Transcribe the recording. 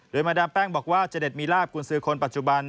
โดยมาดามแป้งบอกว่าเจเด็ดมีลาบกุญสือคนปัจจุบัน